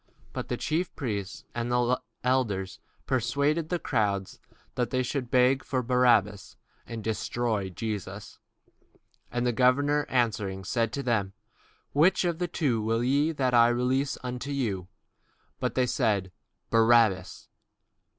But the chief priests and elders persuaded the multitude that they should ask Barabbas, and destroy Jesus. The governor answered and said unto them, Whether of the twain will ye that I release unto you? They said, Barabbas.